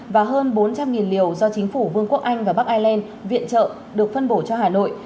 và hơn bốn trăm linh liều do chính phủ vương quốc anh và bắc ireland viện trợ được phân bổ cho hà nội